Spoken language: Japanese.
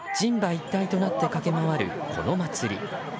一体となって駆け回るこの祭り。